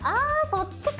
そっちか！